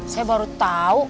saya baru tahu